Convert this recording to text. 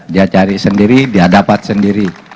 dia cari sendiri dia dapat sendiri